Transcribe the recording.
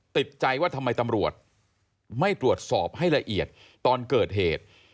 ติดใจว่าทำไมตำรวจไม่ตรวจสอบให้ละเอียดตอนเกิดเหตุ